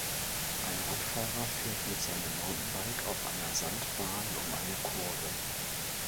Ein Radfahrer fährt mit seinem Mountainbike auf einer Sandbahn um eine Kurve.